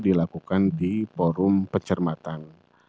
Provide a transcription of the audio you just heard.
dilakukan di forum pencermatan